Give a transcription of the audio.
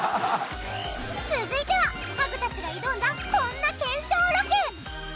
続いてはハグたちが挑んだこんな検証ロケ！